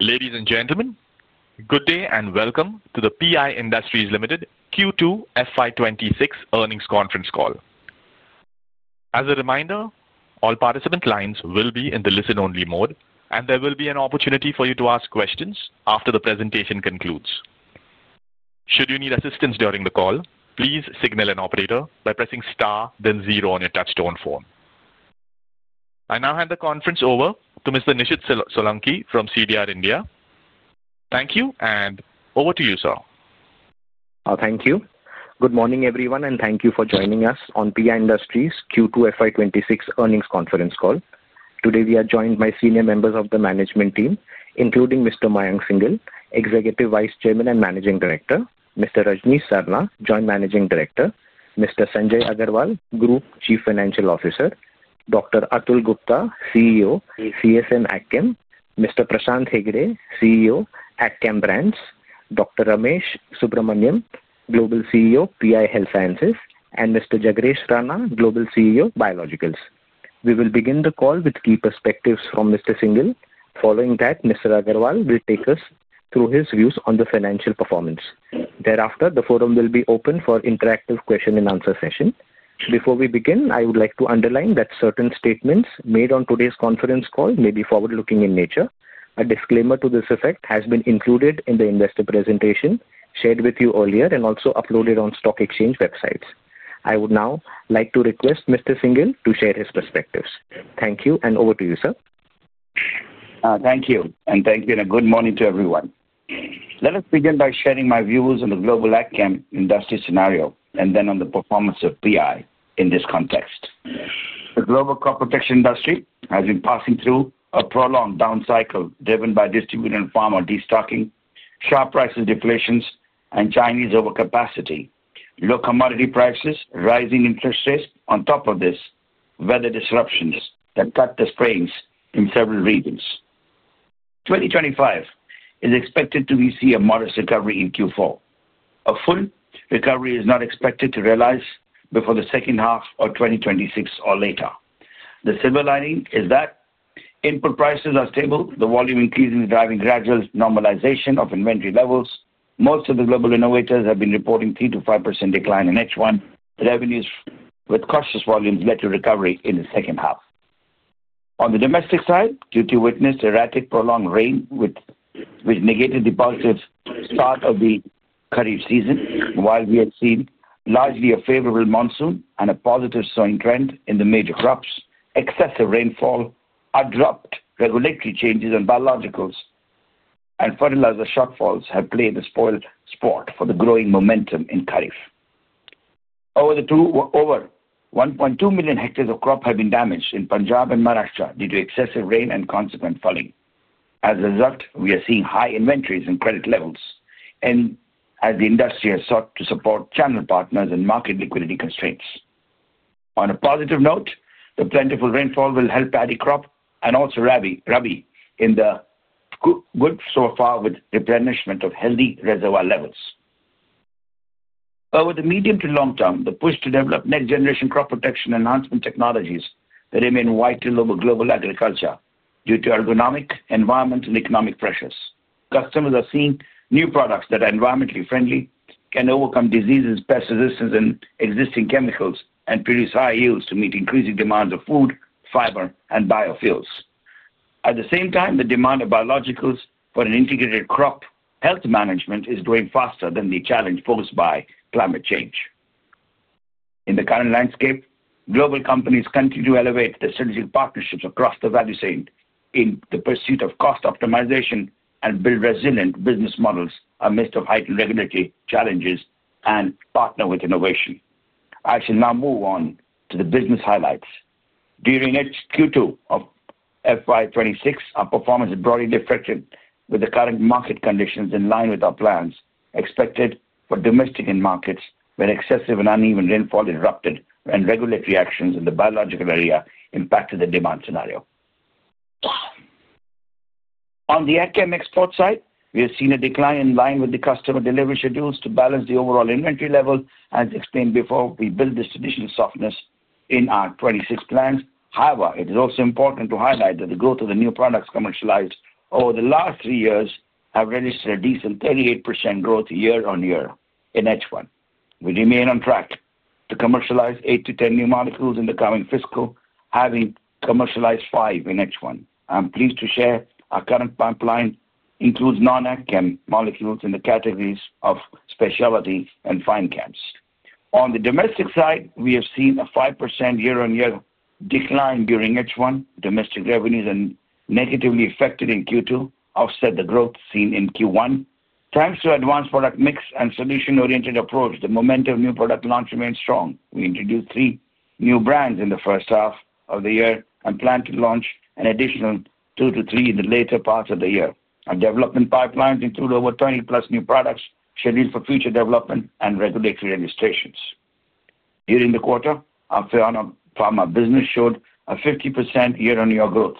Ladies and gentlemen, good day and welcome to the PI Industries Limited Q2 FY26 Earnings Conference Call. As a reminder, all participant lines will be in the listen-only mode, and there will be an opportunity for you to ask questions after the presentation concludes. Should you need assistance during the call, please signal an operator by pressing star, then zero on your touchstone phone. I now hand the conference over to Mr. Nishid Solanki from CDR India. Thank you, and over to you, sir. Thank you. Good morning, everyone, and thank you for joining us on PI Industries Q2 FY2026 Earnings Conference Call. Today, we are joined by senior members of the management team, including Mr. Mayank Singhal, Executive Vice Chairman and Managing Director; Mr. Rajnish Sarna, Joint Managing Director; Mr. Sanjay Agarwal, Group Chief Financial Officer; Dr. Atul Gupta, CEO, CSM business; Mr. Prashant Hegde, CEO, AgChem Brands; Dr. Ramesh Subramanian, Global CEO, PI Health Sciences; and Mr. Jagresh Rana, Global CEO, Biologicals. We will begin the call with key perspectives from Mr. Singhal. Following that, Mr. Agarwal will take us through his views on the financial performance. Thereafter, the forum will be open for interactive question-and-answer session. Before we begin, I would like to underline that certain statements made on today's conference call may be forward-looking in nature. A disclaimer to this effect has been included in the investor presentation shared with you earlier and also uploaded on stock exchange websites. I would now like to request Mr. Singhal to share his perspectives. Thank you, and over to you, sir. Thank you, and good morning to everyone. Let us begin by sharing my views on the global AgChem industry scenario and then on the performance of PI in this context. The global crop protection industry has been passing through a prolonged down cycle driven by distributed pharma destocking, sharp price deflations, and Chinese overcapacity, low commodity prices, rising interest rates. On top of this, weather disruptions that cut the springs in several regions. 2025 is expected to see a modest recovery in Q4. A full recovery is not expected to realize before the second half of 2026 or later. The silver lining is that input prices are stable. The volume increase is driving gradual normalization of inventory levels. Most of the global innovators have been reporting a 3%-5% decline in H1 revenues, with cautious volumes led to recovery in the second half. On the domestic side, duty witnessed erratic prolonged rain, which negated the positive start of the Kharif season, while we have seen largely a favorable monsoon and a positive sowing trend in the major crops. Excessive rainfall, abrupt regulatory changes on biologicals, and fertilizer shortfalls have played a spoilsport for the growing momentum in Kharif. Over 1.2 million hectares of crop have been damaged in Punjab and Maharashtra due to excessive rain and consequent falling. As a result, we are seeing high inventories and credit levels, and as the industry has sought to support channel partners and market liquidity constraints. On a positive note, the plentiful rainfall will help Paddy crop and also Rabi in the good so far with replenishment of healthy reservoir levels. Over the medium to long term, the push to develop next-generation crop protection enhancement technologies remains vital over global agriculture due to ergonomic, environmental, and economic pressures. Customers are seeing new products that are environmentally friendly, can overcome diseases, pest resistance, and existing chemicals, and produce high yields to meet increasing demands of food, fiber, and biofuels. At the same time, the demand of biologicals for an integrated crop health management is growing faster than the challenge posed by climate change. In the current landscape, global companies continue to elevate the strategic partnerships across the value chain in the pursuit of cost optimization and build resilient business models amidst heightened regulatory challenges and partner with innovation. I shall now move on to the business highlights. During Q2 of FY2026, our performance is broadly reflected with the current market conditions in line with our plans expected for domestic markets when excessive and uneven rainfall erupted and regulatory actions in the biological area impacted the demand scenario. On the CSM export side, we have seen a decline in line with the customer delivery schedules to balance the overall inventory level. As explained before, we build this traditional softness in our 2026 plans. However, it is also important to highlight that the growth of the new products commercialized over the last three years has registered a decent 38% growth year-on-year in H1. We remain on track to commercialize 8-10 new molecules in the coming fiscal, having commercialized 5 in H1. I'm pleased to share our current pipeline includes non-CSM molecules in the categories of specialty and fine chemicals. On the domestic side, we have seen a 5% year-on-year decline during H1. Domestic revenues are negatively affected in Q2, offsetting the growth seen in Q1. Thanks to an advanced product mix and solution-oriented approach, the momentum of new product launch remains strong. We introduced three new brands in the first half of the year and plan to launch an additional two to three in the later parts of the year. Our development pipelines include over 20 new products scheduled for future development and regulatory registrations. During the quarter, our pharma business showed a 50% year-on-year growth.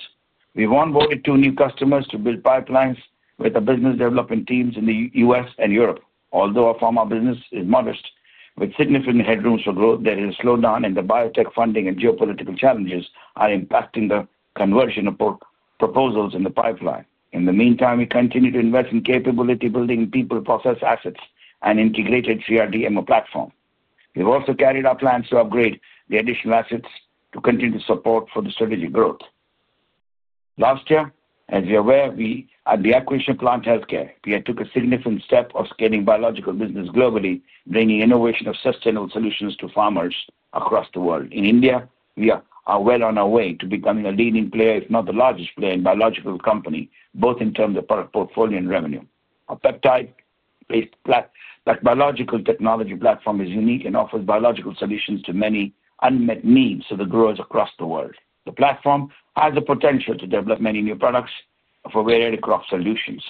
We've onboarded two new customers to build pipelines with our business development teams in the U.S. and Europe. Although our pharma business is modest with significant headroom for growth, there is a slowdown in the biotech funding and geopolitical challenges impacting the conversion of proposals in the pipeline. In the meantime, we continue to invest in capability-building people, process assets, and integrated CRDMO platform. We've also carried out plans to upgrade the additional assets to continue to support the strategic growth. Last year, as you're aware, at the acquisition of Plant Health Care, we took a significant step of scaling biological business globally, bringing innovation of sustainable solutions to farmers across the world. In India, we are well on our way to becoming a leading player, if not the largest player in biological company, both in terms of product portfolio and revenue. Our peptide-based biological technology platform is unique and offers biological solutions to many unmet needs of the growers across the world. The platform has the potential to develop many new products for variety crop solutions.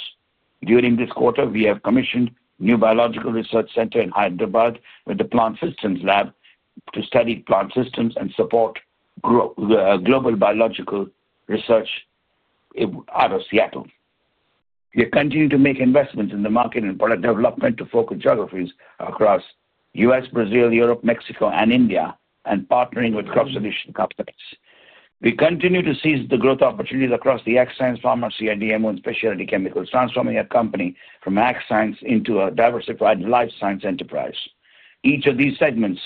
During this quarter, we have commissioned a new biological research center in Hyderabad with the Plant Systems Lab to study plant systems and support global biological research out of Seattle. We continue to make investments in the market and product development to focus geographies across the U.S., Brazil, Europe, Mexico, and India, and partnering with crop solution companies. We continue to seize the growth opportunities across the AgScience, Pharma, CRDMO, and Specialty Chemicals, transforming our company from AgScience into a diversified life science enterprise. Each of these segments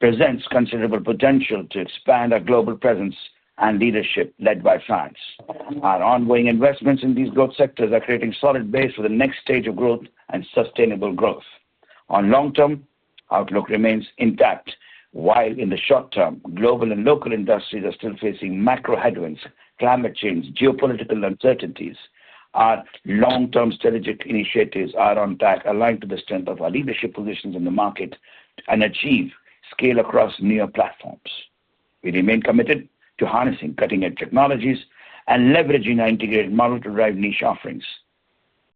presents considerable potential to expand our global presence and leadership led by science. Our ongoing investments in these growth sectors are creating a solid base for the next stage of growth and sustainable growth. On long-term, our outlook remains intact, while in the short term, global and local industries are still facing macro headwinds, climate change, and geopolitical uncertainties. Our long-term strategic initiatives are on track, aligned to the strength of our leadership positions in the market and achieve scale across new platforms. We remain committed to harnessing cutting-edge technologies and leveraging our integrated model to drive niche offerings.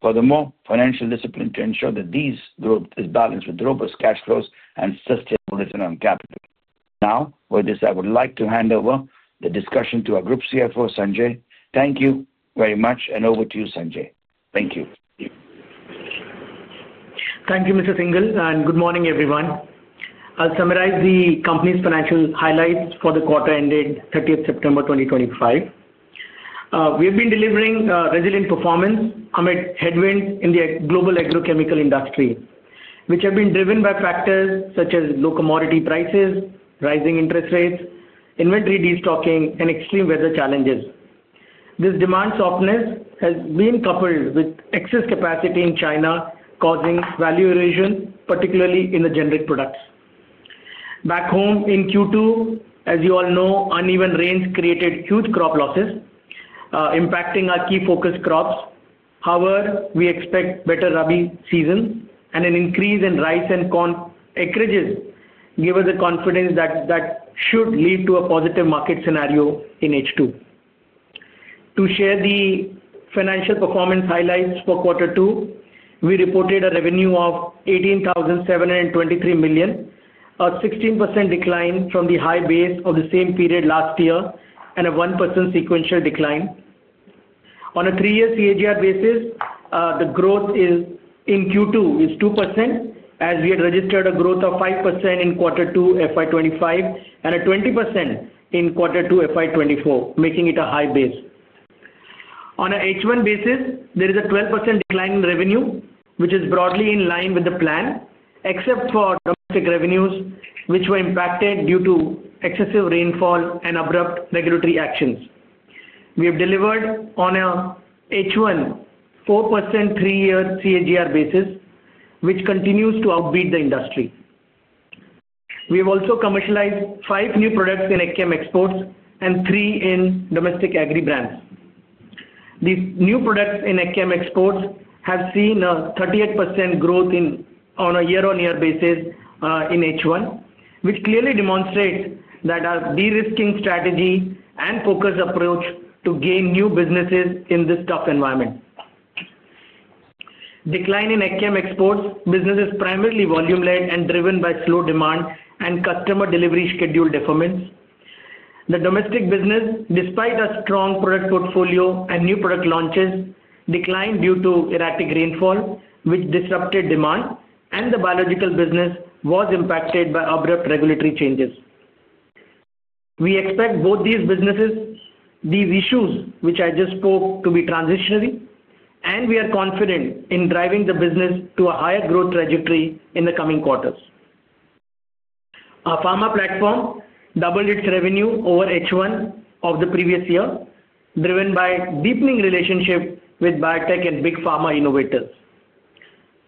Furthermore, financial discipline to ensure that this growth is balanced with robust cash flows and sustainable return on capital. Now, with this, I would like to hand over the discussion to our Group CFO, Sanjay. Thank you very much, and over to you, Sanjay. Thank you. Thank you, Mr. Singhal, and good morning, everyone. I'll summarize the company's financial highlights for the quarter ended 30th September 2025. We have been delivering resilient performance amid headwinds in the global agrochemical industry, which have been driven by factors such as low commodity prices, rising interest rates, inventory destocking, and extreme weather challenges. This demand softness has been coupled with excess capacity in China causing value erosion, particularly in the generic products. Back home in Q2, as you all know, uneven rains created huge crop losses impacting our key focus crops. However, we expect better Rabi season and an increase in rice and corn acreages, given the confidence that should lead to a positive market scenario in H2. To share the financial performance highlights for quarter two, we reported a revenue of 18,723 million, a 16% decline from the high base of the same period last year, and a 1% sequential decline. On a three-year CAGR basis, the growth in Q2 is 2%, as we had registered a growth of 5% in quarter two FY2025 and a 20% in quarter two FY2024, making it a high base. On an H1 basis, there is a 12% decline in revenue, which is broadly in line with the plan, except for domestic revenues, which were impacted due to excessive rainfall and abrupt regulatory actions. We have delivered on an H1 4% three-year CAGR basis, which continues to outbeat the industry. We have also commercialized five new products in CSM exports and three in domestic agri brands. These new products in Akkam exports have seen a 38% growth on a year-on-year basis in H1, which clearly demonstrates our de-risking strategy and focus approach to gain new businesses in this tough environment. Decline in Akkam exports business is primarily volume-led and driven by slow demand and customer delivery schedule deferments. The domestic business, despite a strong product portfolio and new product launches, declined due to erratic rainfall, which disrupted demand, and the biological business was impacted by abrupt regulatory changes. We expect both these businesses, these issues which I just spoke to be transitionary, and we are confident in driving the business to a higher growth trajectory in the coming quarters. Our pharma platform doubled its revenue over H1 of the previous year, driven by a deepening relationship with biotech and big pharma innovators.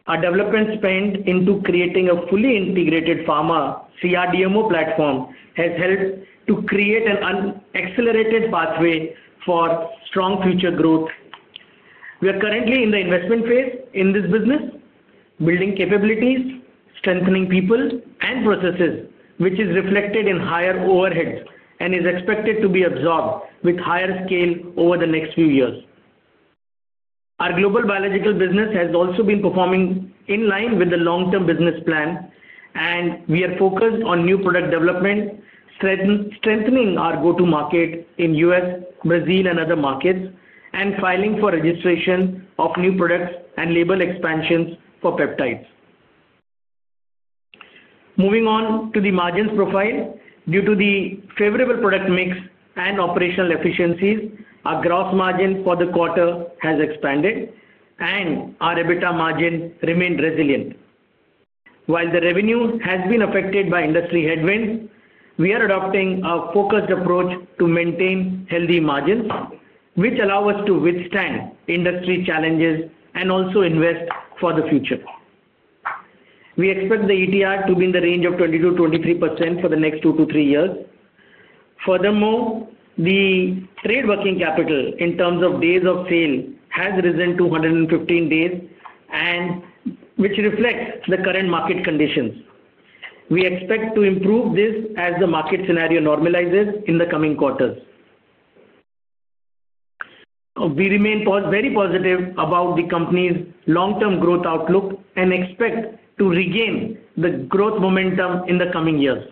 Our development spend into creating a fully integrated pharma CRDMO platform has helped to create an accelerated pathway for strong future growth. We are currently in the investment phase in this business, building capabilities, strengthening people and processes, which is reflected in higher overhead and is expected to be absorbed with higher scale over the next few years. Our global biological business has also been performing in line with the long-term business plan, and we are focused on new product development, strengthening our go-to-market in the U.S., Brazil, and other markets, and filing for registration of new products and label expansions for peptides. Moving on to the margins profile, due to the favorable product mix and operational efficiencies, our gross margin for the quarter has expanded, and our EBITDA margin remained resilient. While the revenue has been affected by industry headwinds, we are adopting a focused approach to maintain healthy margins, which allow us to withstand industry challenges and also invest for the future. We expect the ETR to be in the range of 22%-23% for the next two to three years. Furthermore, the trade working capital in terms of days of sale has risen to 115 days, which reflects the current market conditions. We expect to improve this as the market scenario normalizes in the coming quarters. We remain very positive about the company's long-term growth outlook and expect to regain the growth momentum in the coming years.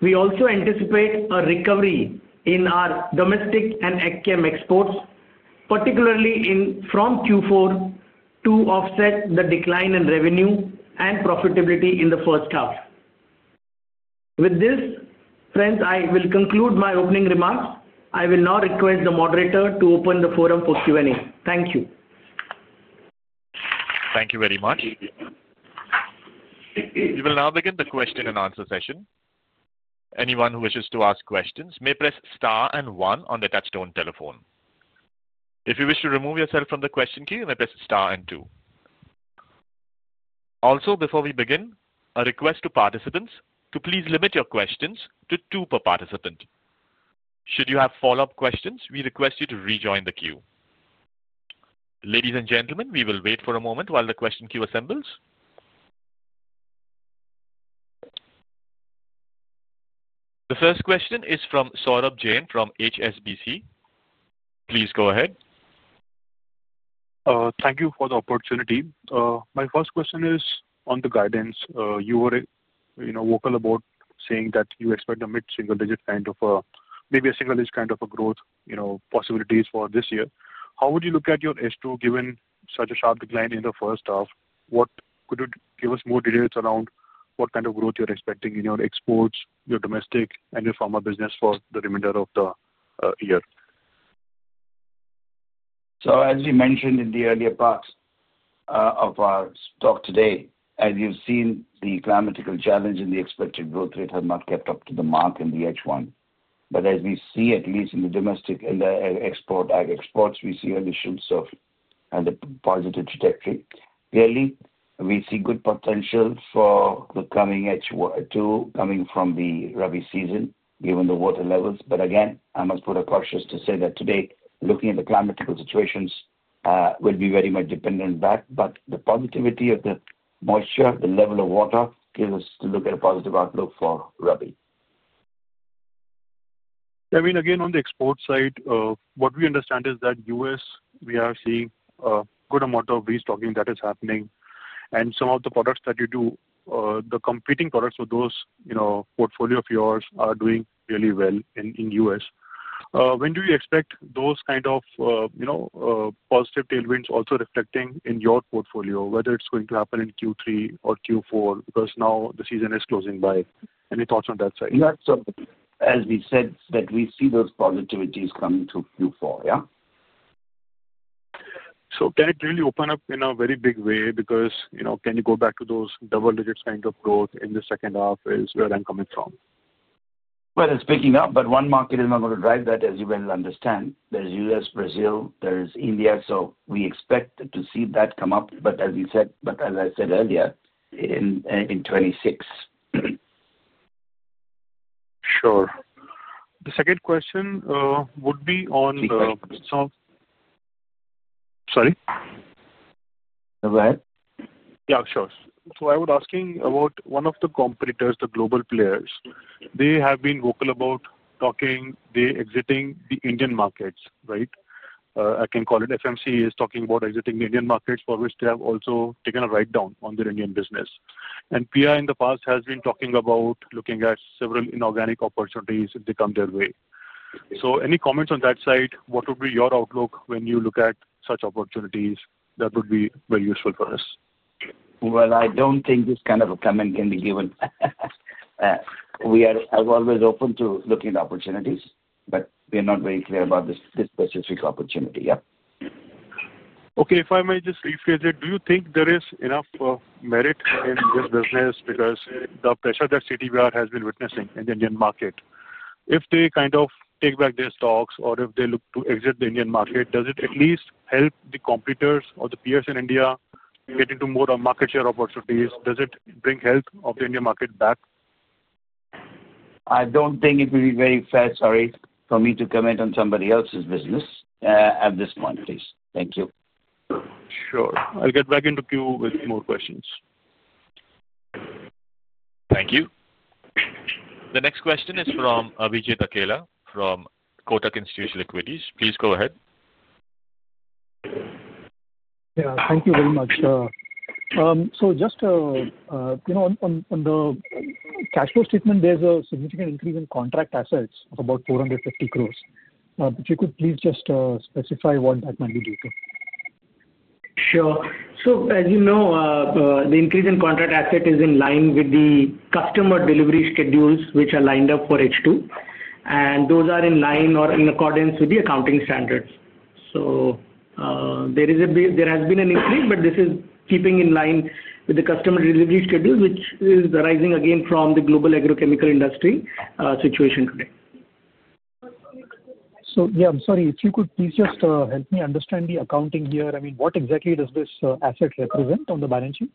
We also anticipate a recovery in our domestic and Akkam exports, particularly from Q4 to offset the decline in revenue and profitability in the first half. With this, friends, I will conclude my opening remarks. I will now request the moderator to open the forum for Q&A. Thank you. Thank you very much. We will now begin the question and answer session. Anyone who wishes to ask questions may press star and one on the touchstone telephone. If you wish to remove yourself from the question queue, you may press star and two. Also, before we begin, a request to participants to please limit your questions to two per participant. Should you have follow-up questions, we request you to rejoin the queue. Ladies and gentlemen, we will wait for a moment while the question queue assembles. The first question is from Saurabh Jain from HSBC. Please go ahead. Thank you for the opportunity. My first question is on the guidance. You were vocal about saying that you expect a mid-single-digit kind of a maybe a single-digit kind of a growth possibilities for this year. How would you look at your H2 given such a sharp decline in the first half? Could you give us more details around what kind of growth you're expecting in your exports, your domestic, and your pharma business for the remainder of the year? As we mentioned in the earlier parts of our talk today, as you've seen, the climatical challenge and the expected growth rate have not kept up to the mark in the H1. As we see, at least in the domestic and the export ag exports, we see additions of the positive trajectory. Clearly, we see good potential for the coming H2 coming from the Rabi season given the water levels. Again, I must put a cautious to say that today, looking at the climatical situations, we'll be very much dependent on that. The positivity of the moisture, the level of water gives us to look at a positive outlook for Rabi. Kevin, again on the export side, what we understand is that in the U.S., we are seeing a good amount of restocking that is happening. Some of the products that you do, the competing products with those portfolio of yours are doing really well in the U.S. When do you expect those kind of positive tailwinds also reflecting in your portfolio, whether it is going to happen in Q3 or Q4, because now the season is closing by? Any thoughts on that side? Yeah. As we said, we see those positivities coming to Q4, yeah? Can it really open up in a very big way? Because can you go back to those double-digit kind of growth in the second half is where I'm coming from. It is picking up, but one market is not going to drive that, as you well understand. There is US, Brazil, there is India. We expect to see that come up, but as I said earlier, in 2026. Sure. The second question would be on the. Sorry? Go ahead. Yeah, sure. So I was asking about one of the competitors, the global players. They have been vocal about talking, they're exiting the Indian markets, right? I can call it FMC is talking about exiting the Indian markets for which they have also taken a write-down on their Indian business. And PI in the past has been talking about looking at several inorganic opportunities if they come their way. So any comments on that side? What would be your outlook when you look at such opportunities? That would be very useful for us. I don't think this kind of a comment can be given. We are always open to looking at opportunities, but we are not very clear about this specific opportunity, yeah? Okay. If I may just rephrase it, do you think there is enough merit in this business because the pressure that FMC has been witnessing in the Indian market, if they kind of take back their stocks or if they look to exit the Indian market, does it at least help the competitors or the peers in India get into more of market share opportunities? Does it bring health of the Indian market back? I don't think it would be very fair, sorry, for me to comment on somebody else's business at this point, please. Thank you. Sure. I'll get back into the queue with more questions. Thank you. The next question is from Abhijit Akella from Kotak Institutional Equities. Please go ahead. Yeah, thank you very much. Just on the cash flow statement, there's a significant increase in contract assets of about 4.5 billion. If you could please just specify what that might be due to. Sure. As you know, the increase in contract asset is in line with the customer delivery schedules which are lined up for H2, and those are in line or in accordance with the accounting standards. There has been an increase, but this is keeping in line with the customer delivery schedules, which is arising again from the global agrochemical industry situation today. Yeah, I'm sorry. If you could please just help me understand the accounting here. I mean, what exactly does this asset represent on the balance sheet?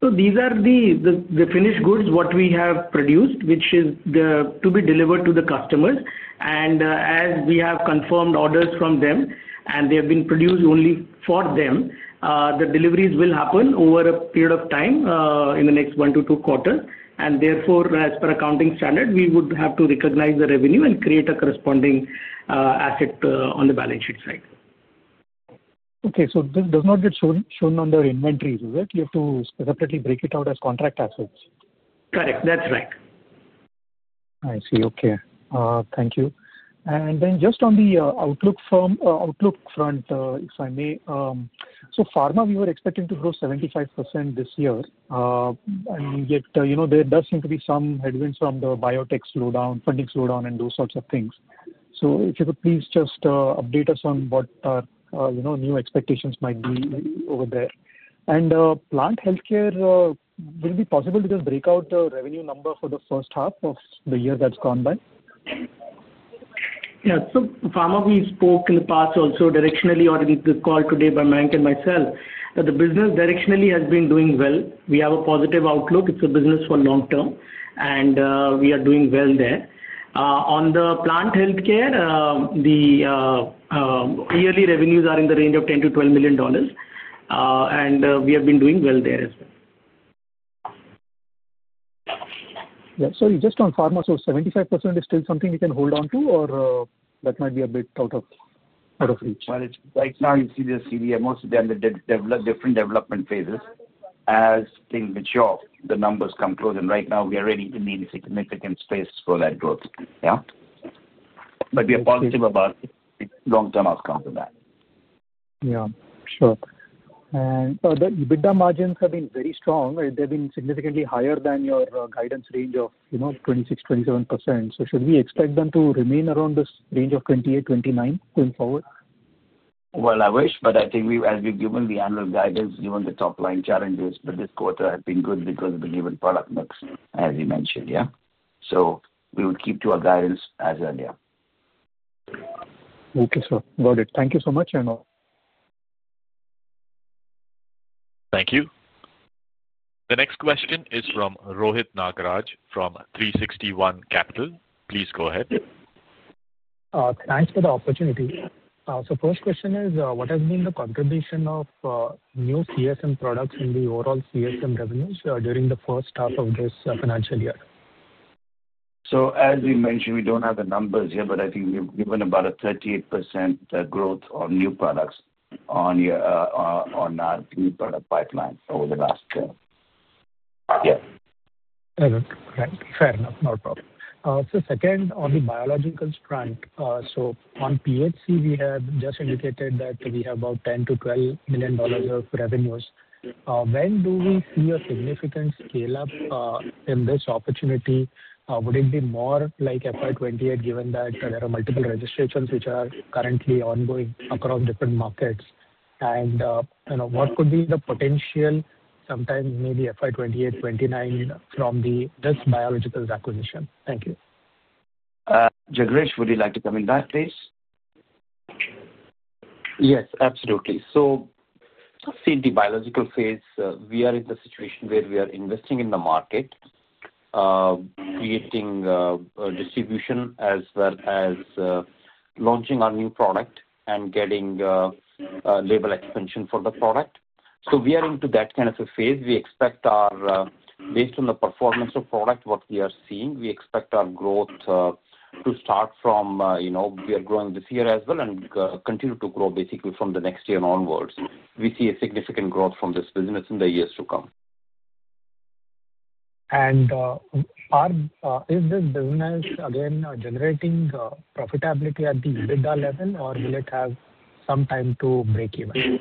These are the finished goods what we have produced, which is to be delivered to the customers. As we have confirmed orders from them and they have been produced only for them, the deliveries will happen over a period of time in the next one to two quarters. Therefore, as per accounting standard, we would have to recognize the revenue and create a corresponding asset on the balance sheet side. Okay. So this does not get shown on their inventories, is it? You have to separately break it out as contract assets? Correct. That's right. I see. Okay. Thank you. Then just on the outlook front, if I may, pharma, we were expecting to grow 75% this year. Yet there does seem to be some headwinds from the biotech slowdown, funding slowdown, and those sorts of things. If you could please just update us on what our new expectations might be over there. Plant Health Care, will it be possible to just break out the revenue number for the first half of the year that's gone by? Yeah. So pharma, we spoke in the past also directionally on the call today by Mayank and myself. The business directionally has been doing well. We have a positive outlook. It's a business for long term, and we are doing well there. On the plant healthcare, the yearly revenues are in the range of $10-$12 million, and we have been doing well there as well. Yeah. Sorry, just on pharma, so 75% is still something we can hold on to, or that might be a bit out of reach? Right now you see the CDMOs in different development phases. As things mature, the numbers come close. Right now, we are ready to need significant space for that growth, yeah? We are positive about long-term outcomes of that. Yeah. Sure. EBITDA margins have been very strong. They've been significantly higher than your guidance range of 26%-27%. Should we expect them to remain around this range of 28%-29% going forward? I wish, but I think as we've given the annual guidance, given the top-line challenges, this quarter has been good because we've been given product mix, as you mentioned, yeah? We will keep to our guidance as earlier. Okay, sir. Got it. Thank you so much. Thank you. The next question is from Rohit Nagaraj from 360 ONE Capital. Please go ahead. Thanks for the opportunity. First question is, what has been the contribution of new CSM products in the overall CSM revenues during the first half of this financial year? As we mentioned, we don't have the numbers here, but I think we've given about a 38% growth on new products on our new product pipeline over the last year. Yeah. Fair enough. No problem. Second, on the biological strength, on PHC, we have just indicated that we have about $10-12 million of revenues. When do we see a significant scale-up in this opportunity? Would it be more like FY 2028, given that there are multiple registrations which are currently ongoing across different markets? What could be the potential, sometimes maybe FY 2028, FY 2029 from this biological acquisition? Thank you. Jagresh, would you like to come in back, please? Yes, absolutely. CNT biological phase, we are in the situation where we are investing in the market, creating distribution as well as launching our new product and getting label expansion for the product. We are into that kind of a phase. We expect, based on the performance of product, what we are seeing, we expect our growth to start from we are growing this year as well and continue to grow basically from the next year onwards. We see a significant growth from this business in the years to come. Is this business, again, generating profitability at the EBITDA level, or will it have some time to break even?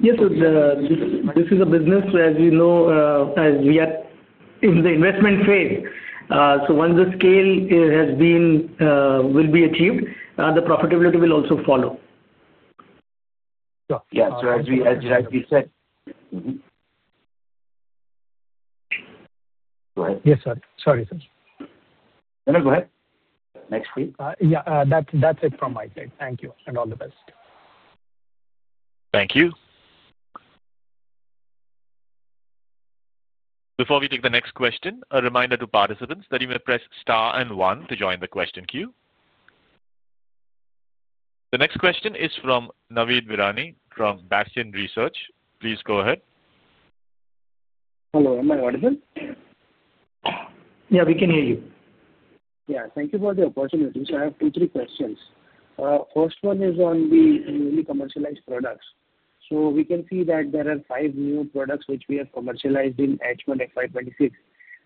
Yes. This is a business, as you know, as we are in the investment phase. Once the scale has been achieved, the profitability will also follow. Yeah. Yeah. As we said, go ahead. Yes, sorry. Sorry, sir. No, no. Go ahead. Next week. Yeah. That's it from my side. Thank you and all the best. Thank you. Before we take the next question, a reminder to participants that you may press star and one to join the question queue. The next question is from Navid Virani from Bastion Research. Please go ahead. Hello. Am I audible? Yeah, we can hear you. Yeah. Thank you for the opportunity. I have two, three questions. First one is on the newly commercialized products. We can see that there are five new products which we have commercialized in H1, FY 2026.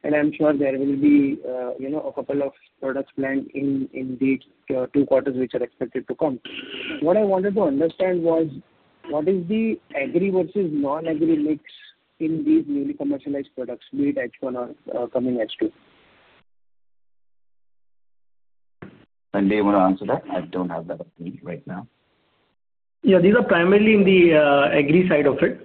I'm sure there will be a couple of products planned in the two quarters which are expected to come. What I wanted to understand was what is the agri versus non-agri mix in these newly commercialized products, be it H1 or coming H2? Do you want to answer that? I don't have that opportunity right now. Yeah. These are primarily in the agri side of it.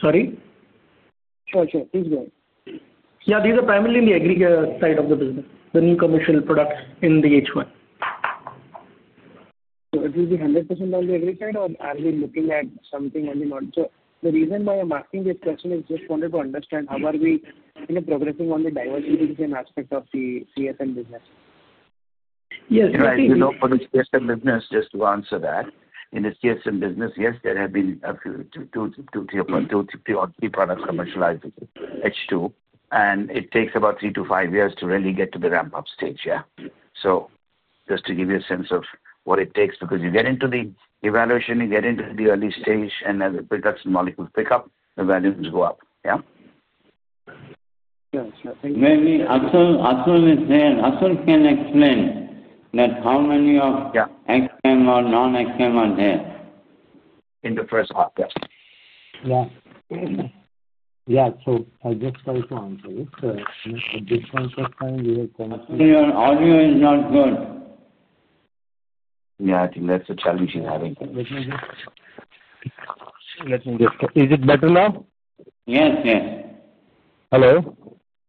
Sorry? Sure, sure. Please go ahead. Yeah. These are primarily in the agri side of the business, the new commercial products in the H1. It will be 100% on the agri side, or are we looking at something only? The reason why I'm asking this question is just wanted to understand how are we progressing on the diversification aspect of the CSM business? Yes. I think. Right. In the CSM business, just to answer that, in the CSM business, yes, there have been two, three or three products commercialized in H2. It takes about three to five years to really get to the ramp-up stage, yeah? Just to give you a sense of what it takes, because you get into the evaluation, you get into the early stage, and as the production molecules pick up, the values go up, yeah? Yes. Maybe Axan is there. Axan can explain that how many of HM or non-HM are there. In the first half, yes. Yeah. Yeah. I just try to answer it. At this point of time, we have come. Audio. Audio is not good. Yeah. I think that's the challenge he's having. Let me just—is it better now? Yes, yes. Hello?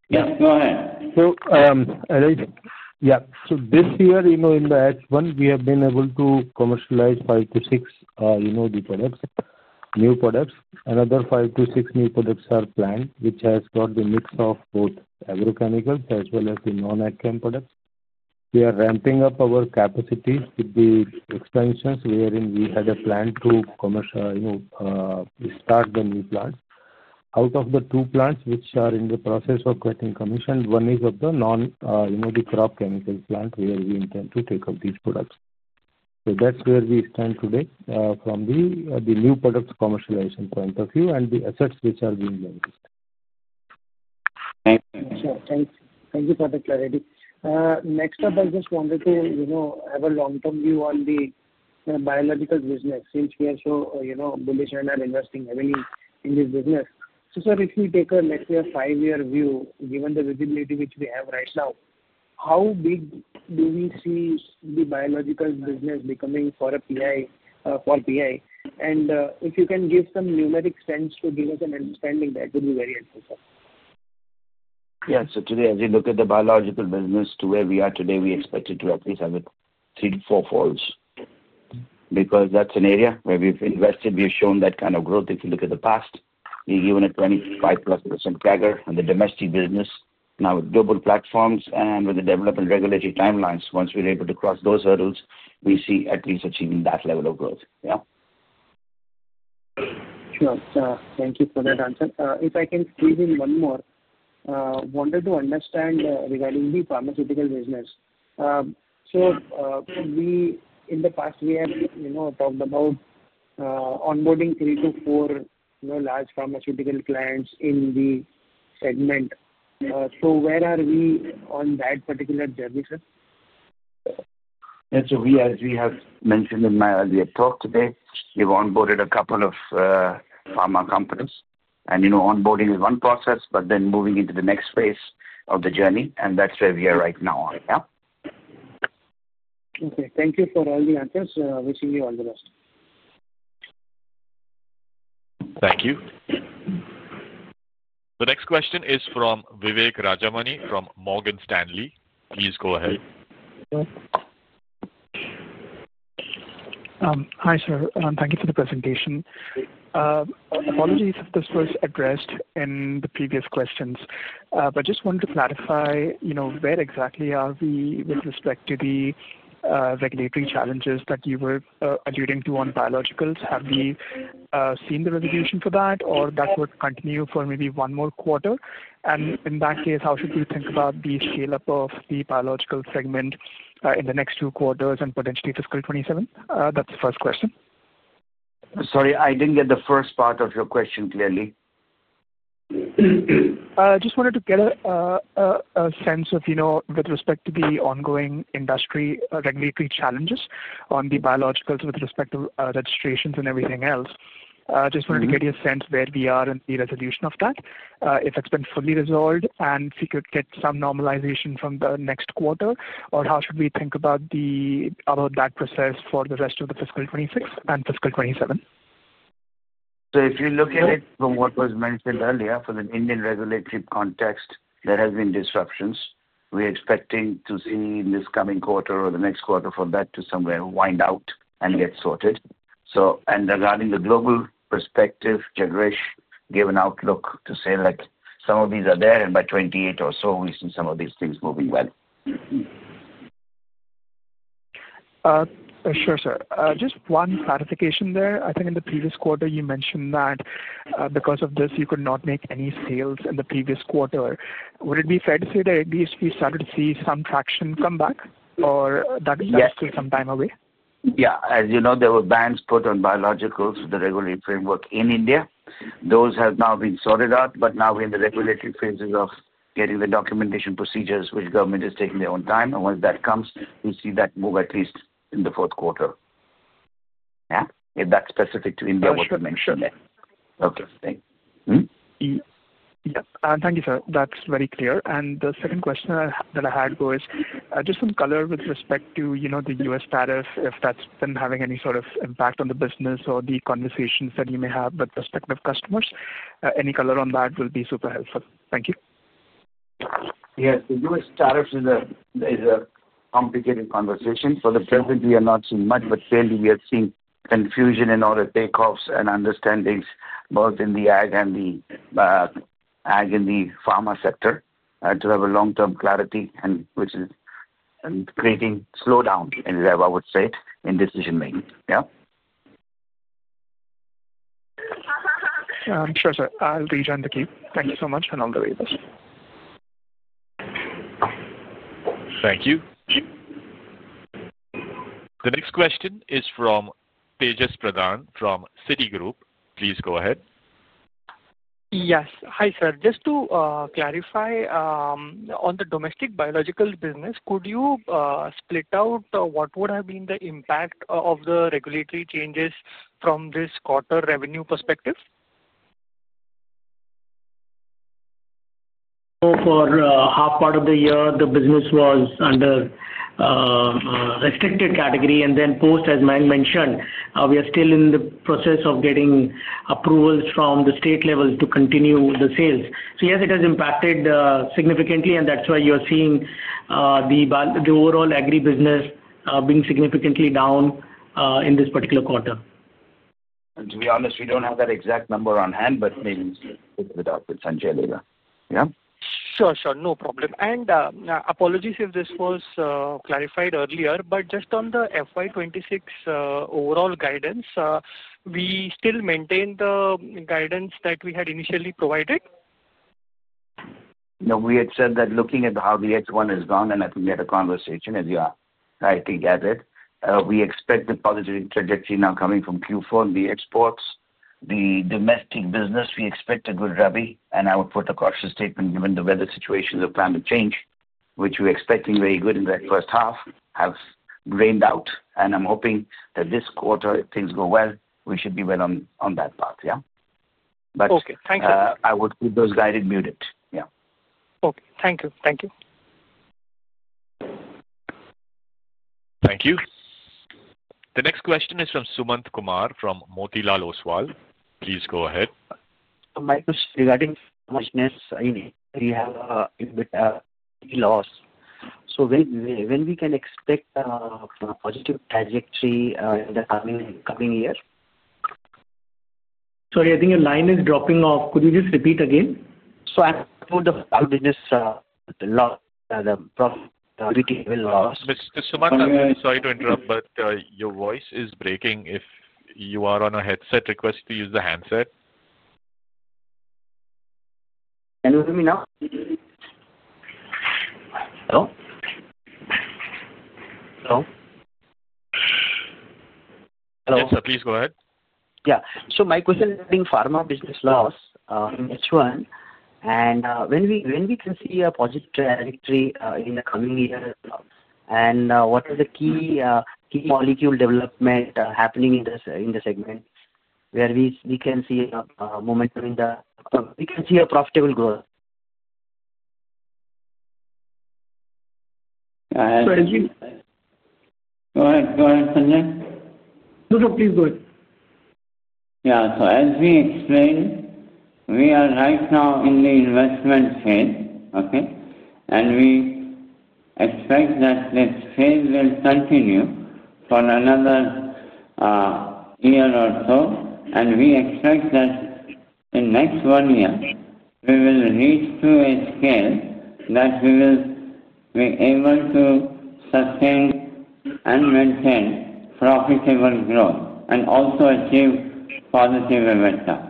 Yes. Go ahead. Yeah. This year, in the H1, we have been able to commercialize five to six new products. Another five to six new products are planned, which has got the mix of both agrochemicals as well as the non-HM products. We are ramping up our capacities with the expansions wherein we had a plan to start the new plants. Out of the two plants which are in the process of getting commissioned, one is of the non-crop chemicals plant where we intend to take up these products. That is where we stand today from the new product commercialization point of view and the assets which are being leveraged. Thank you. Sure. Thank you for the clarity. Next up, I just wanted to have a long-term view on the biological business since we are so bullish and are investing heavily in this business. Sir, if we take a next year five-year view, given the visibility which we have right now, how big do we see the biological business becoming for PI? If you can give some numeric sense to give us an understanding, that would be very helpful, sir. Yeah. Today, as you look at the biological business to where we are today, we expect it to at least have a three- to four-folds because that's an area where we've invested. We've shown that kind of growth. If you look at the past, we've given a 25%+ CAGR on the domestic business, now with global platforms and with the development regulatory timelines. Once we're able to cross those hurdles, we see at least achieving that level of growth, yeah? Sure. Thank you for that answer. If I can squeeze in one more, wanted to understand regarding the pharmaceutical business. In the past, we have talked about onboarding three to four large pharmaceutical clients in the segment. Where are we on that particular journey, sir? As we have mentioned in my earlier talk today, we've onboarded a couple of pharma companies. Onboarding is one process, but then moving into the next phase of the journey, and that's where we are right now on, yeah? Okay. Thank you for all the answers. Wishing you all the best. Thank you. The next question is from Vivek Rajamani from Morgan Stanley. Please go ahead. Hi, sir. Thank you for the presentation. Apologies if this was addressed in the previous questions, but just wanted to clarify where exactly are we with respect to the regulatory challenges that you were alluding to on biologicals? Have we seen the resolution for that, or that would continue for maybe one more quarter? In that case, how should we think about the scale-up of the biological segment in the next two quarters and potentially fiscal 2027? That's the first question. Sorry, I didn't get the first part of your question clearly. I just wanted to get a sense of, with respect to the ongoing industry regulatory challenges on the biologicals with respect to registrations and everything else, just wanted to get your sense where we are in the resolution of that, if it's been fully resolved, and if we could get some normalization from the next quarter, or how should we think about that process for the rest of the fiscal 2026 and fiscal 2027? If you look at it from what was mentioned earlier, for the Indian regulatory context, there have been disruptions. We are expecting to see in this coming quarter or the next quarter for that to somewhere wind out and get sorted. Regarding the global perspective, Jagresh gave an outlook to say some of these are there, and by 2028 or so, we have seen some of these things moving well. Sure, sir. Just one clarification there. I think in the previous quarter, you mentioned that because of this, you could not make any sales in the previous quarter. Would it be fair to say that at least we started to see some traction come back, or that is still some time away? Yeah. As you know, there were bans put on biologicals with the regulatory framework in India. Those have now been sorted out, but now we're in the regulatory phases of getting the documentation procedures, which government is taking their own time. Once that comes, we see that move at least in the fourth quarter, yeah? If that's specific to India, I wouldn't mention that. Okay. Thank you. Yep. Thank you, sir. That's very clear. The second question that I had was just some color with respect to the U.S. tariff, if that's been having any sort of impact on the business or the conversations that you may have with respective customers. Any color on that will be super helpful. Thank you. Yes. The U.S. tariff is a complicated conversation. For the present, we are not seeing much, but clearly, we are seeing confusion and other takeoffs and understandings both in the ag and the pharma sector to have a long-term clarity, which is creating slowdown in there, I would say, in decision-making, yeah? Sure, sir. I'll rejoin the queue. Thank you so much, and I'll delete this. Thank you. The next question is from Tejas Pradhan from Citigroup. Please go ahead. Yes. Hi, sir. Just to clarify, on the domestic biological business, could you split out what would have been the impact of the regulatory changes from this quarter revenue perspective? For half part of the year, the business was under restricted category. Then post, as Manik mentioned, we are still in the process of getting approvals from the state levels to continue the sales. Yes, it has impacted significantly, and that's why you are seeing the overall agri business being significantly down in this particular quarter. To be honest, we do not have that exact number on hand, but maybe we can split it up with Sanjay later, yeah? Sure, sure. No problem. Apologies if this was clarified earlier, but just on the FY2026 overall guidance, we still maintain the guidance that we had initially provided? No, we had said that looking at how the H1 has gone, and I think we had a conversation as you are trying to get it, we expect the positive trajectory now coming from Q4 in the exports. The domestic business, we expect a good rally. I would put a cautious statement given the weather situations of climate change, which we were expecting very good in that first half, have drained out. I am hoping that this quarter, if things go well, we should be well on that path, yeah? Okay. Thank you. I would keep those guided muted, yeah. Okay. Thank you. Thank you. Thank you. The next question is from Sumant Kumar from Motilal Oswal. Please go ahead. My question regarding Pharma, we have a bit of loss. When can we expect a positive trajectory in the coming year? Sorry, I think your line is dropping off. Could you just repeat again? I'm told the farm business, the profitability will loss. Sumant Kumar, sorry to interrupt, but your voice is breaking. If you are on a headset, request to use the handset. Can you hear me now? Hello? Hello? Yes, sir. Please go ahead. Yeah. So my question regarding pharma business loss in H1, and when we can see a positive trajectory in the coming year? What is the key molecule development happening in the segment where we can see a momentum in the we can see a profitable growth? Go ahead. Go ahead. Go ahead, Sanjay. No, no. Please go ahead. Yeah. As we explained, we are right now in the investment phase, okay? We expect that this phase will continue for another year or so. We expect that in the next one year, we will reach to a scale that we will be able to sustain and maintain profitable growth and also achieve positive revenue.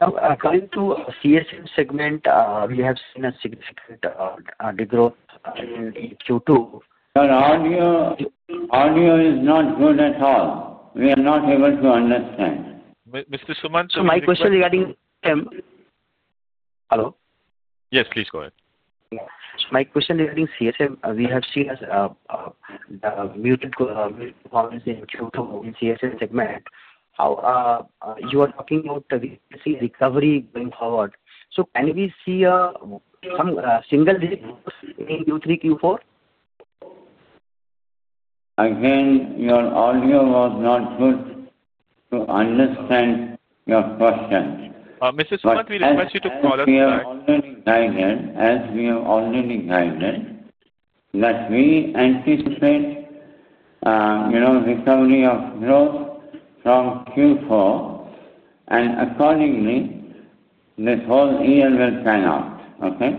Now, according to CSM segment, we have seen a significant degrowth in Q2. Your audio is not good at all. We are not able to understand. Mr. Sumant? So my question regarding— Hello? Yes, please go ahead. My question regarding CSM, we have seen a muted performance in Q2 in CSM segment. You are talking about recovery going forward. Can we see some single digits in Q3, Q4? Again, your audio was not good to understand your question. Mr. Sumant, we request you to call us back. As we are already guided, that we anticipate recovery of growth from Q4, and accordingly, this whole year will pan out, okay?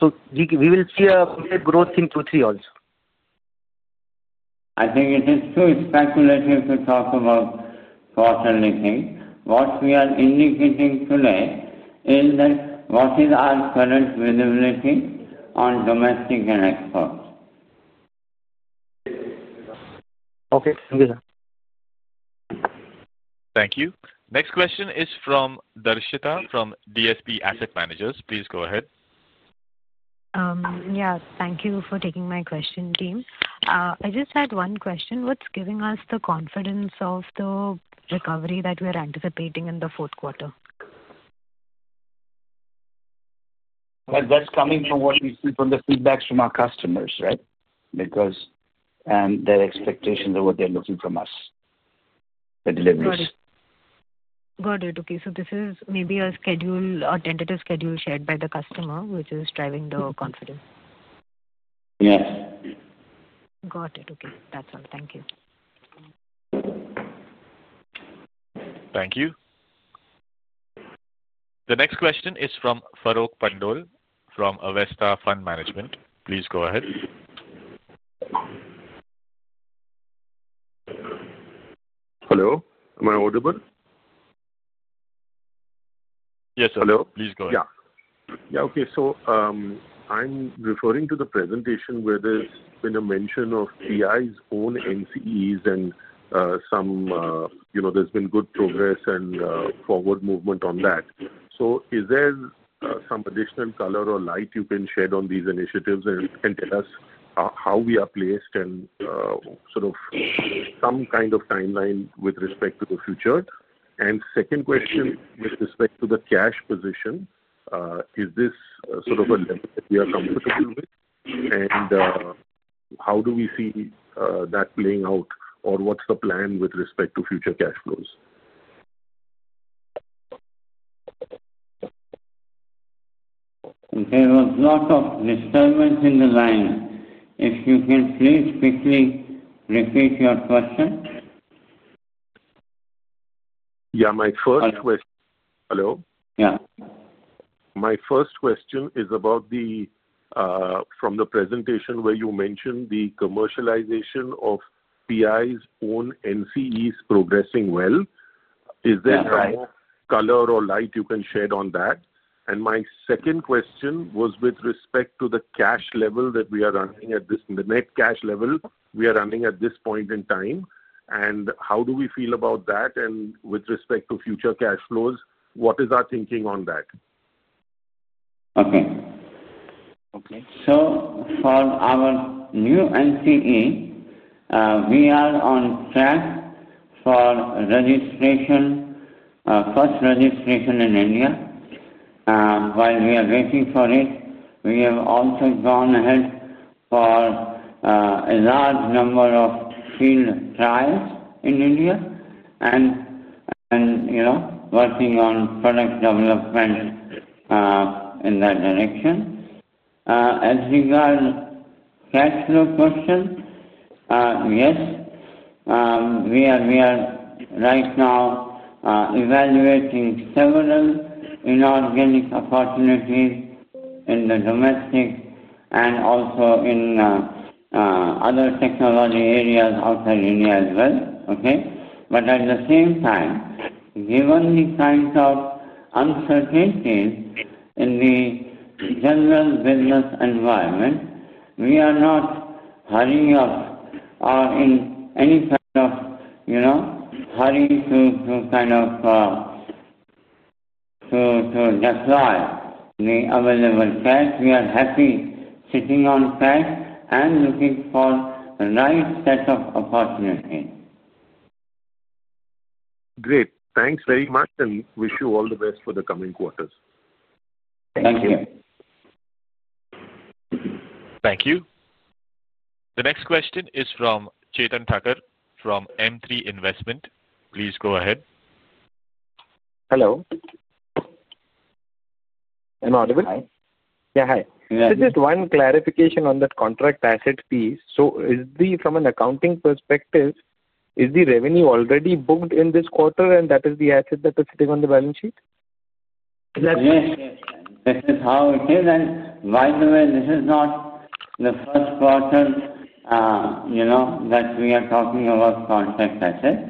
Will we see a bit of growth in Q3 also? I think it is too speculative to talk about quarterly things. What we are indicating today is that what is our current visibility on domestic and exports? Okay. Thank you, sir. Thank you. Next question is from Darshita from DSP Asset Managers. Please go ahead. Yeah. Thank you for taking my question, team. I just had one question. What's giving us the confidence of the recovery that we are anticipating in the fourth quarter? That's coming from what we see from the feedbacks from our customers, right? Because their expectations are what they're looking from us, the deliveries. Got it. Okay. So this is maybe a schedule, a tentative schedule shared by the customer, which is driving the confidence. Yes. Got it. Okay. That's all. Thank you. Thank you. The next question is from Farokh Pandole from Avestha Fund Management. Please go ahead. Hello. Am I audible? Yes, sir. Hello? Please go ahead. Yeah. Yeah. Okay. I'm referring to the presentation where there's been a mention of PI's own NCEs and there's been good progress and forward movement on that. Is there some additional color or light you can shed on these initiatives and tell us how we are placed and sort of some kind of timeline with respect to the future? Second question, with respect to the cash position, is this sort of a level that we are comfortable with? How do we see that playing out, or what's the plan with respect to future cash flows? Okay. There was a lot of disturbance in the line. If you can please quickly repeat your question. Yeah. My first question—hello? Yeah. My first question is about the from the presentation where you mentioned the commercialization of PI's own NCEs progressing well. Is there color or light you can shed on that? My second question was with respect to the cash level that we are running at, the net cash level we are running at this point in time. How do we feel about that? With respect to future cash flows, what is our thinking on that? Okay. Okay. So for our new NCE, we are on track for registration, first registration in India. While we are waiting for it, we have also gone ahead for a large number of field trials in India and working on product development in that direction. As regards cash flow question, yes. We are right now evaluating several inorganic opportunities in the domestic and also in other technology areas outside India as well, okay? At the same time, given the kinds of uncertainties in the general business environment, we are not hurrying up or in any kind of hurry to kind of deploy the available cash. We are happy sitting on cash and looking for the right set of opportunities. Great. Thanks very much and wish you all the best for the coming quarters. Thank you. Thank you. The next question is from Chetan Thacker from M3 Investment. Please go ahead. Hello. Am I audible? Hi. Yeah. Hi. Yes. Just one clarification on that contract asset piece. Is the, from an accounting perspective, is the revenue already booked in this quarter, and that is the asset that is sitting on the balance sheet? Yes. Yes. Yes. This is how it is. By the way, this is not the first quarter that we are talking about contract assets.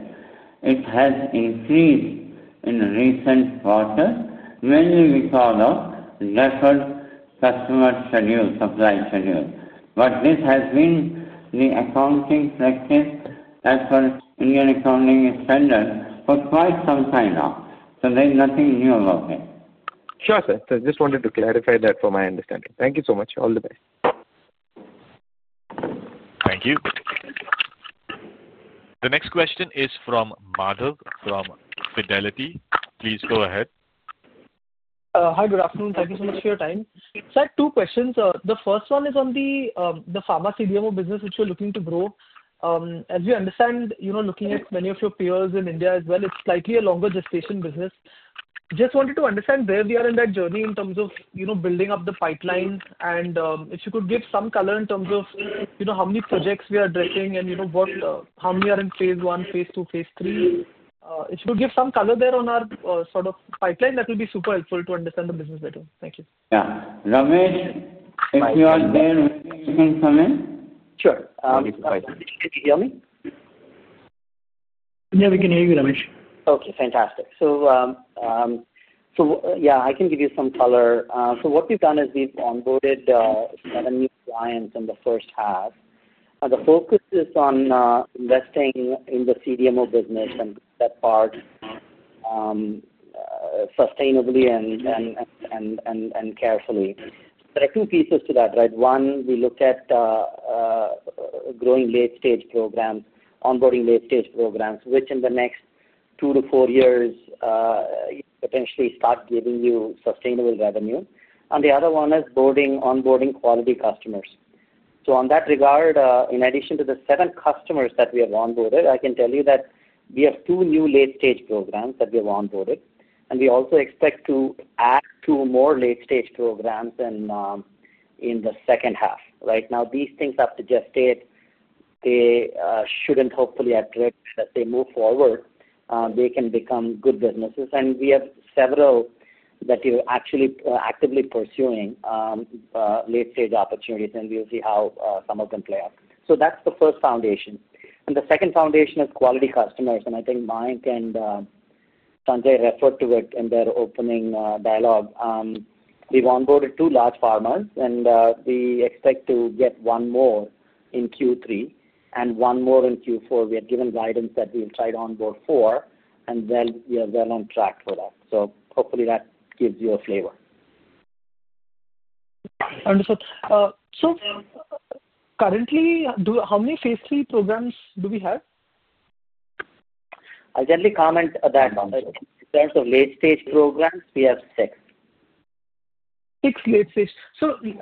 It has increased in recent quarters mainly because of deferred customer schedule, supply schedule. This has been the accounting practice as per Indian accounting standard for quite some time now. There is nothing new about it. Sure, sir. So I just wanted to clarify that for my understanding. Thank you so much. All the best. Thank you. The next question is from Madhav from Fidelity. Please go ahead. Hi, good afternoon. Thank you so much for your time. I have two questions. The first one is on the pharma CDMO business, which we're looking to grow. As we understand, looking at many of your peers in India as well, it's slightly a longer gestation business. Just wanted to understand where we are in that journey in terms of building up the pipeline and if you could give some color in terms of how many projects we are addressing and how many are in phase one, phase two, phase three. If you could give some color there on our sort of pipeline, that will be super helpful to understand the business better. Thank you. Yeah. Ramesh, if you are there, you can come in. Sure. Thank you for inviting me. Can you hear me? Yeah. We can hear you, Ramesh. Okay. Fantastic. Yeah, I can give you some color. What we've done is we've onboarded seven new clients in the first half. The focus is on investing in the CDMO business and that part sustainably and carefully. There are two pieces to that, right? One, we looked at growing late-stage programs, onboarding late-stage programs, which in the next two to four years potentially start giving you sustainable revenue. The other one is onboarding quality customers. On that regard, in addition to the seven customers that we have onboarded, I can tell you that we have two new late-stage programs that we have onboarded, and we also expect to add two more late-stage programs in the second half. Right now, these things have to gestate. They shouldn't, hopefully, have drifted. As they move forward, they can become good businesses. We have several that we are actually actively pursuing, late-stage opportunities, and we will see how some of them play out. That is the first foundation. The second foundation is quality customers. I think Mike and Sanjay referred to it in their opening dialogue. We have onboarded two large pharmas, and we expect to get one more in Q3 and one more in Q4. We have given guidance that we will try to onboard four, and we are well on track for that. Hopefully, that gives you a flavor. Wonderful. So currently, how many phase three programs do we have? I'll gently comment on that. In terms of late-stage programs, we have six. Six late-stage.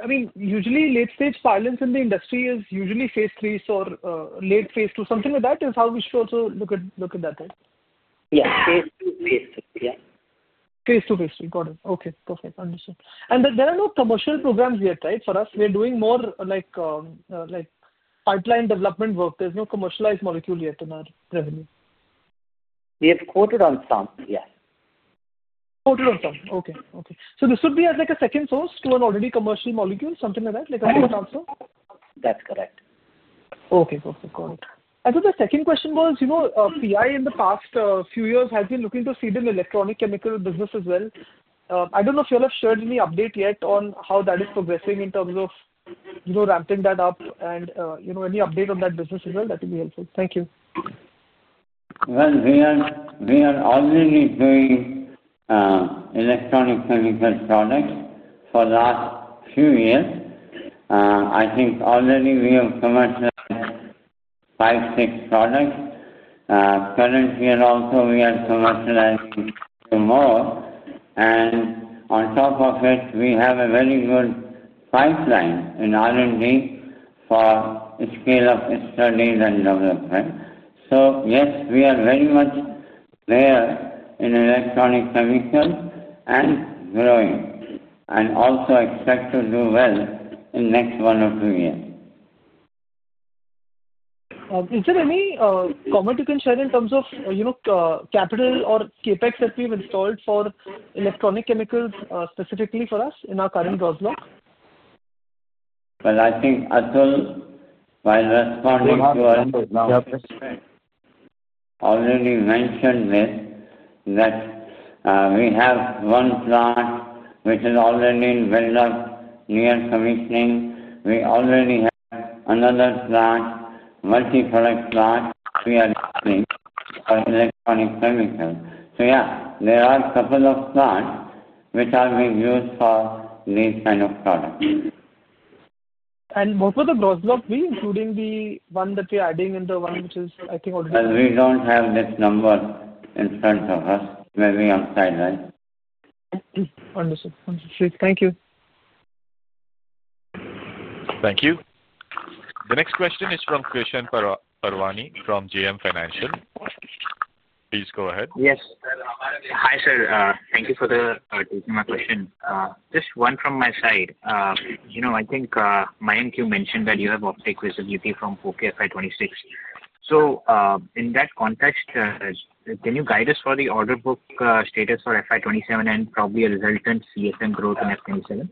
I mean, usually, late-stage pilots in the industry is usually phase three or late phase two, something like that. Is how we should also look at that, right? Yeah. Phase two. Phase three. Yeah. Phase two, phase three. Got it. Okay. Perfect. Understood. There are no commercial programs yet, right, for us? We are doing more pipeline development work. There is no commercialized molecule yet in our revenue. We have quoted on some. Yes. Quoted on some. Okay. Okay. So this would be as a second source to an already commercial molecule, something like that, a quote also? That's correct. Okay. Perfect. Got it. I thought the second question was PI in the past few years has been looking to feed in electronic chemical business as well. I do not know if you all have shared any update yet on how that is progressing in terms of ramping that up and any update on that business as well. That would be helpful. Thank you. We are already doing electronic chemical products for the last few years. I think already we have commercialized five, six products. Currently, also, we are commercializing tomorrow. On top of it, we have a very good pipeline in R&D for a scale of studies and development. Yes, we are very much there in electronic chemicals and growing and also expect to do well in the next one or two years. Is there any comment you can share in terms of capital or CapEx that we've installed for electronic chemicals specifically for us in our current growth log? I think Atul, while responding to your question, already mentioned this that we have one plant which is already in build-up, near commissioning. We already have another plant, multi-product plant we are building for electronic chemicals. Yeah, there are a couple of plants which are being used for these kind of products. Most of the growth log, including the one that we are adding into one which is, I think, already. We do not have this number in front of us. Maybe outside, right? Understood. Understood. Thank you. Thank you. The next question is from Krishan Parwani from JM Financial. Please go ahead. Yes. Hi, sir. Thank you for taking my question. Just one from my side. I think Mayank, you mentioned that you have optic visibility from Q4 FY 2026. In that context, can you guide us for the order book status for FY 2027 and probably a resultant CSM growth in FY 2027? Book would be in the range. Sorry? Yeah.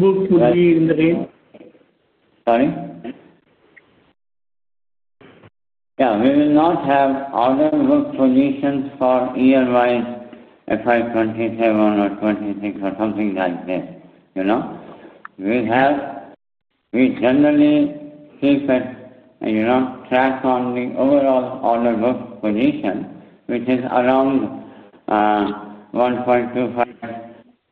We will not have order book conditions for FY 2027 or 2026 or something like this. We generally keep a track on the overall order book position, which is around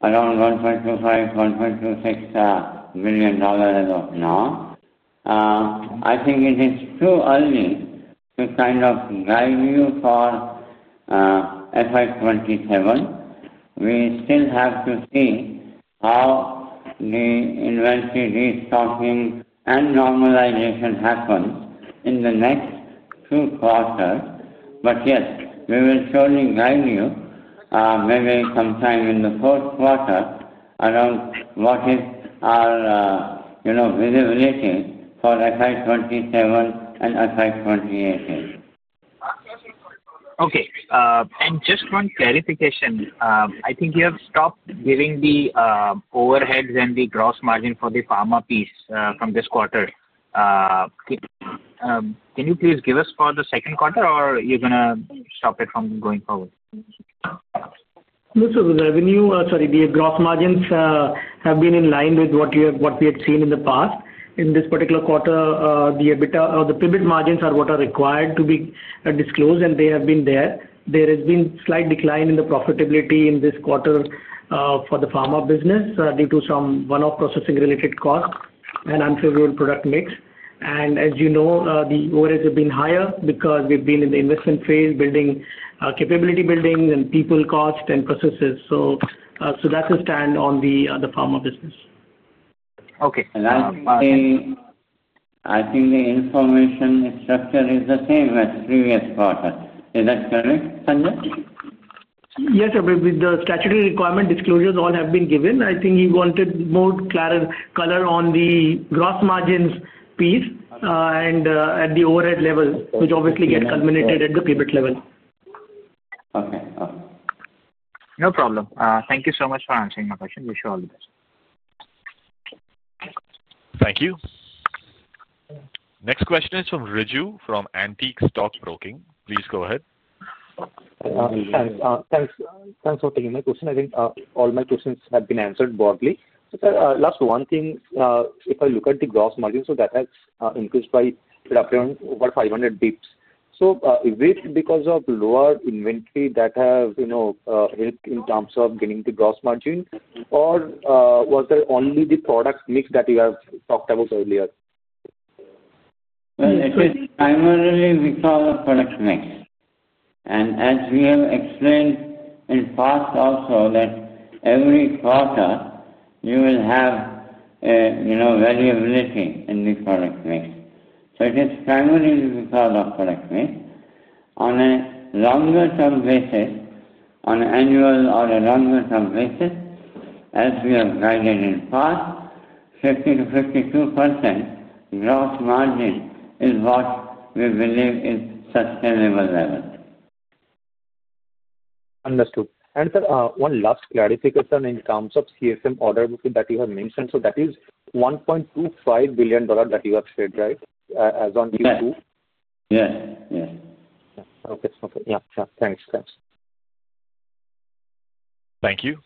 $1.25 billion, around $1.25-$1.26 billion as of now. I think it is too early to kind of guide you for FY 2027. We still have to see how the inventory restocking and normalization happens in the next two quarters. Yes, we will surely guide you maybe sometime in the fourth quarter around what is our visibility for FY 2027 and FY 2028. Okay. Just one clarification. I think you have stopped giving the overheads and the gross margin for the pharma piece from this quarter. Can you please give us for the second quarter, or you are going to stop it from going forward? Most of the revenue, sorry, the gross margins have been in line with what we had seen in the past. In this particular quarter, the EBITDA or the pivot margins are what are required to be disclosed, and they have been there. There has been slight decline in the profitability in this quarter for the pharma business due to some one-off processing-related costs and unfavorable product mix. As you know, the overheads have been higher because we've been in the investment phase building capability buildings and people cost and processes. That's the stand on the pharma business. Okay. I'll be, I think the information structure is the same as previous quarter. Is that correct, Sanjay? Yes. The statutory requirement disclosures all have been given. I think he wanted more color on the gross margins piece and at the overhead level, which obviously gets culminated at the pivot level. Okay. Okay. No problem. Thank you so much for answering my question. Wish you all the best. Thank you. Next question is from Raju from Antique Stock Broking. Please go ahead. Thanks for taking my question. I think all my questions have been answered broadly. Sir, last one thing. If I look at the gross margins, that has increased by roughly around over 500 basis points. Is it because of lower inventory that has helped in terms of getting the gross margin, or was there only the product mix that you have talked about earlier? It is primarily because of product mix. As we have explained in the past also, every quarter you will have variability in the product mix. It is primarily because of product mix. On a longer-term basis, on an annual or a longer-term basis, as we have guided in the past, 50-52% gross margin is what we believe is sustainable level. Understood. Sir, one last clarification in terms of CSM order book that you have mentioned. That is $1.25 billion that you have said, right, as on Q2? Yes. Okay. Yeah. Thanks. Thank you.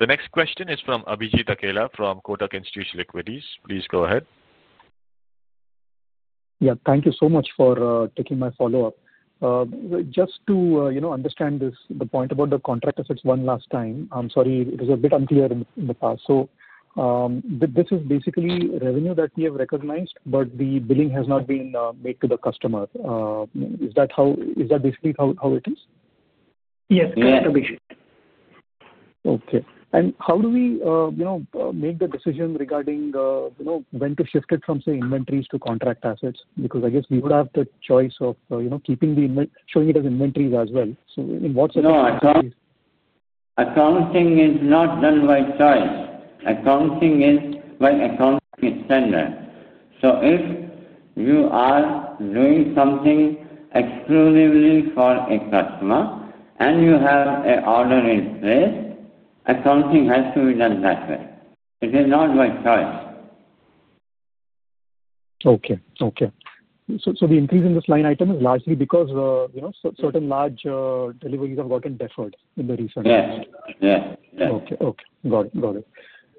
The next question is from Abhijit Akella from Kotak Institutional Equities. Please go ahead. Yeah. Thank you so much for taking my follow-up. Just to understand the point about the contract effects one last time. I'm sorry. It was a bit unclear in the past. This is basically revenue that we have recognized, but the billing has not been made to the customer. Is that basically how it is? Yes. Correct, Abhijit. Okay. How do we make the decision regarding when to shift it from, say, inventories to contract assets? I guess we would have the choice of showing it as inventories as well. In what setting is that? No. Accounting is not done by choice. Accounting is by accounting standard. So if you are doing something exclusively for a customer and you have an order in place, accounting has to be done that way. It is not by choice. Okay. Okay. So the increase in this line item is largely because certain large deliveries have gotten deferred in the recent past? Yes. Yes. Okay. Got it.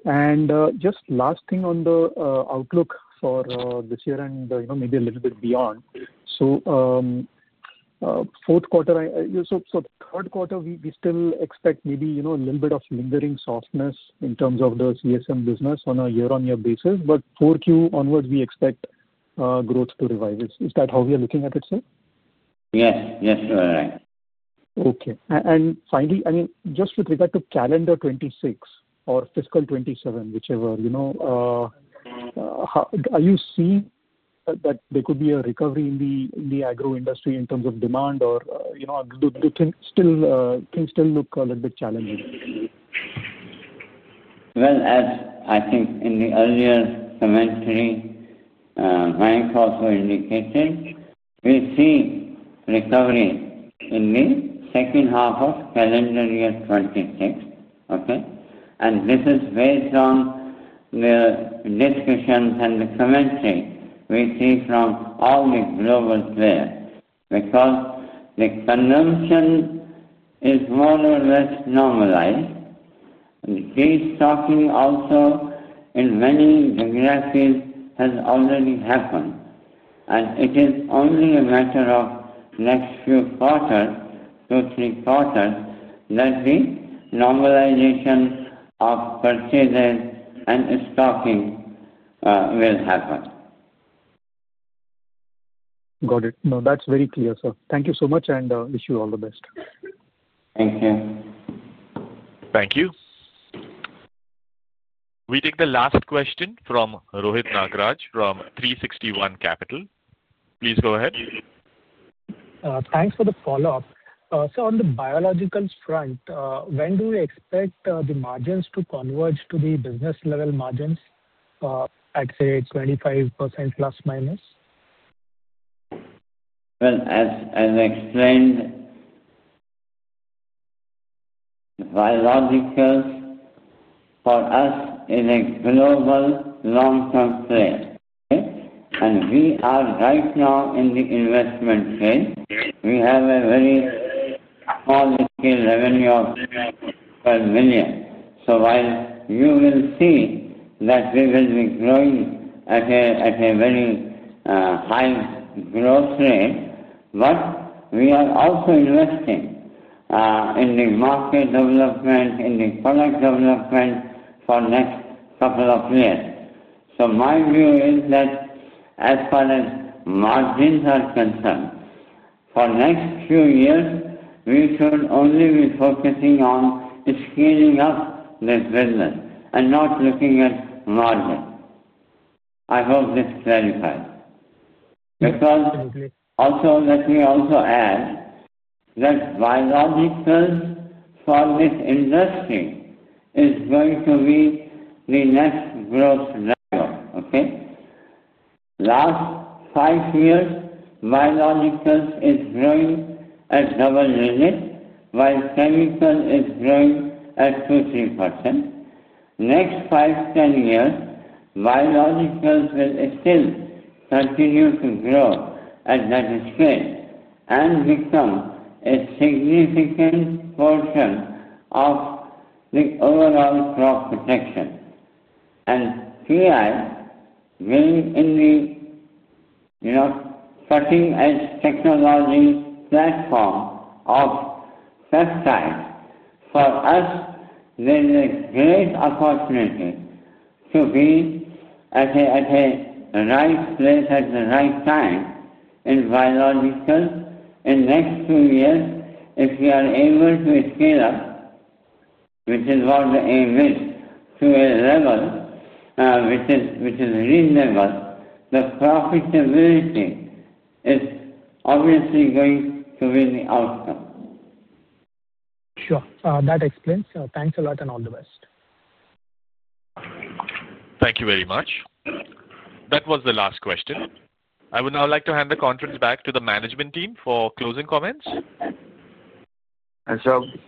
And just last thing on the outlook for this year and maybe a little bit beyond. Fourth quarter, so third quarter, we still expect maybe a little bit of lingering softness in terms of the CSM business on a year-on-year basis. But 4Q onwards, we expect growth to revive. Is that how you're looking at it, sir? Yes. Yes. You're right. Okay. Finally, I mean, just with regard to calendar 2026 or fiscal 2027, whichever, are you seeing that there could be a recovery in the agro industry in terms of demand, or do things still look a little bit challenging? As I think in the earlier commentary, Mayank also indicated, we see recovery in the second half of calendar year 2026, okay? This is based on the discussions and the commentary we see from all the global players because the consumption is more or less normalized. The restocking also in many geographies has already happened. It is only a matter of next few quarters, two, three quarters, that the normalization of purchases and stocking will happen. Got it. No, that's very clear, sir. Thank you so much, and wish you all the best. Thank you. Thank you. We take the last question from Rohit Nagaraj from 360 ONE Capital. Please go ahead. Thanks for the follow-up. On the biological front, when do we expect the margins to converge to the business-level margins, I'd say 25% plus minus? As I explained, biologicals for us is a global long-term play, okay? We are right now in the investment phase. We have a very small scale revenue of per million. You will see that we will be growing at a very high growth rate, but we are also investing in the market development, in the product development for the next couple of years. My view is that as far as margins are concerned, for the next few years, we should only be focusing on scaling up this business and not looking at margin. I hope this clarifies. Also, let me add that biologicals for this industry is going to be the next growth level, okay? Last five years, biologicals is growing at double digits, while chemical is growing at 2-3%. Next five, ten years, biologicals will still continue to grow at that scale and become a significant portion of the overall crop protection. PI, being in the cutting-edge technology platform of pesticides, for us, there is a great opportunity to be at a right place at the right time in biologicals in the next few years. If we are able to scale up, which is what the aim is, to a level which is reasonable, the profitability is obviously going to be the outcome. Sure. That explains. Thanks a lot and all the best. Thank you very much. That was the last question. I would now like to hand the conference back to the management team for closing comments.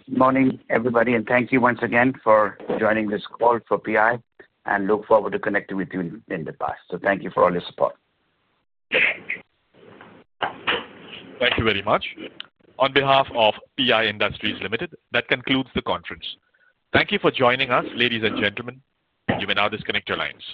Morning, everybody. Thank you once again for joining this call for PI, and look forward to connecting with you in the past. Thank you for all your support. Thank you very much. On behalf of PI Industries Limited, that concludes the conference. Thank you for joining us, ladies and gentlemen. You may now disconnect your lines.